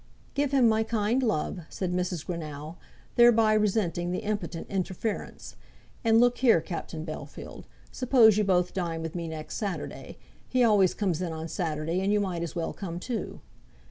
"Give him my kind love," said Mrs. Greenow, thereby resenting the impotent interference. "And look here, Captain Bellfield, suppose you both dine with me next Saturday. He always comes in on Saturday, and you might as well come too."